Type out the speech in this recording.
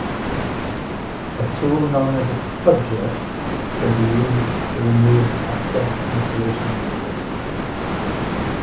A tool known as a spudger can be used to remove excess insulation pieces.